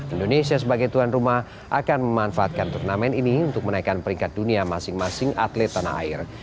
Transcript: indonesia sebagai tuan rumah akan memanfaatkan turnamen ini untuk menaikkan peringkat dunia masing masing atlet tanah air